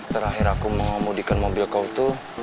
terakhir aku mau ngomudikan mobil kau tuh